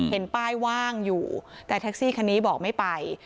เห็นป้ายว่างอยู่แต่แท็กซี่คันนี้บอกไม่ไป